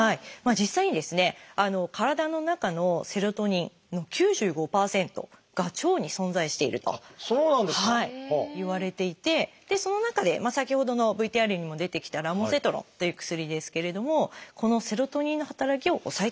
実際にですね体の中のセロトニンの９５％が腸に存在しているといわれていてその中で先ほどのＶＴＲにも出てきたラモセトロンという薬ですけれどもこのセロトニンの働きを抑えてくれるというものです。